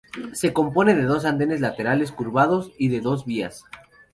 Se compone de dos andenes laterales curvados y de dos vías.